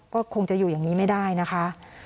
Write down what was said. ก็คงจะอยู่อย่างนี้ไม่ได้นะคะ